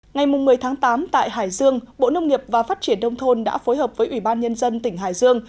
ngày một mươi tháng tám tại hải dương bộ nông nghiệp và phát triển đông thôn đã phối hợp với ủy ban nhân dân tỉnh hải dương